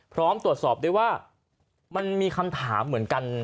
พร้อมตรวจสอบด้วยว่ามันมีคำถามเหมือนกัน